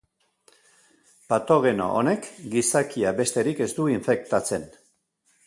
Patogeno honek gizakia besterik ez du infektatzen.